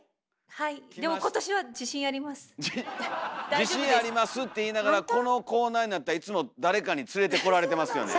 自信ありますって言いながらこのコーナーになったらいつも誰かに連れてこられてますよね。